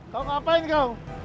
kau ngapain kau